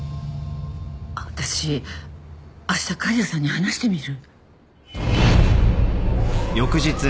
私あした狩矢さんに話してみる。